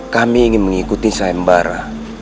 kami ingin mengikuti saembara